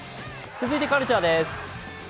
続いてカルチャーです。